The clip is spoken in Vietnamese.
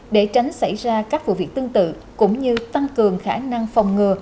để tránh xảy ra các vụ việc tương tự cũng như tăng cường khả năng phòng ngừa